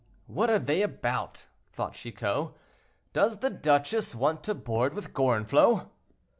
"What are they about?" thought Chicot; "does the duchess want to board with Gorenflot?"